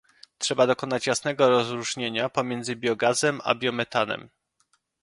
Trzeba dokonać jasnego rozróżnienia pomiędzy biogazem a biometanem